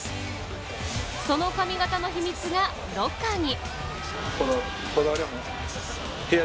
その髪型の秘密がロッカーに。